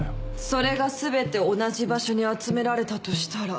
それが全て同じ場所に集められたとしたら。